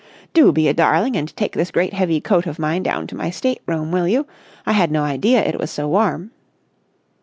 "Do be a darling and take this great heavy coat of mine down to my state room, will you? I had no idea it was so warm."